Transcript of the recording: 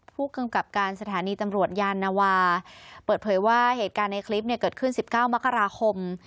ผู้กำกับการสถานีตำรวจยานวาเปิดเผยว่าเหตุการณ์ในคลิปเนี่ยเกิดขึ้น๑๙มกราคม